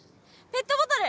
ペットボトル？